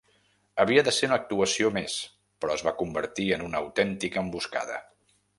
Havia de ser una actuació més però es va convertir en una autèntica emboscada.